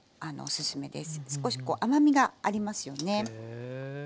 少しこう甘みがありますよね。